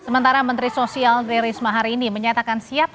sementara menteri sosial tri risma hari ini menyatakan siap